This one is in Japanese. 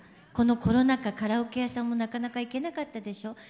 このコロナ禍カラオケ屋さんもなかなか行けなかったでしょ。